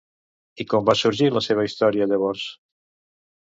I com va sorgir la seva història, llavors?